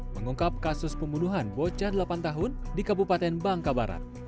mengungkap kasus pembunuhan bocah delapan tahun di kabupaten bangka barat